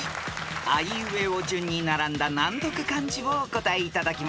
あいうえお順に並んだ難読漢字をお答えいただきます］